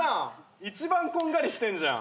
一番こんがりしてんじゃん。